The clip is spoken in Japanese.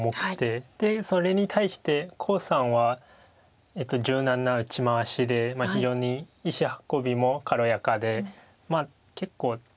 でそれに対して黄さんは柔軟な打ち回しで非常に石運びも軽やかでまあ結構。